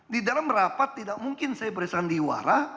di dalam rapat tidak mungkin saya beresan di warah